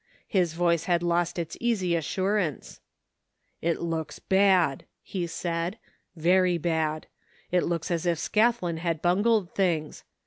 His voice had lost its easy assurance. " It looks bad !" he said, " very bad ! It looks as if Scathlin had bungled things.